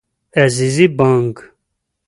عزیزي بانګ